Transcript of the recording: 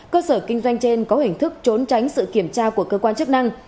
cơ sở kinh doanh trên có hình thức trốn tránh sự kiểm tra của cơ quan chức năng